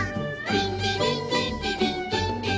「リンリリンリンリリンリンリン」